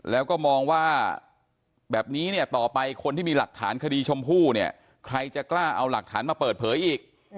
แล้วก็มองว่าแบบนี้เนี่ยต่อไปคนที่มีหลักฐานคดีชมพู่เนี่ยใครจะกล้าเอาหลักฐานมาเปิดเผยอีก